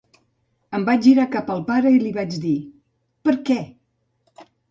Em vaig girar cap al pare i vaig dir, per què?